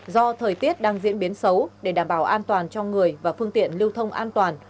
do thời tiết đang diễn biến xấu để đảm bảo an toàn cho người và phương tiện lưu thông an toàn